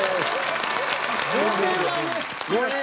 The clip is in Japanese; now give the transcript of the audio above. これはね。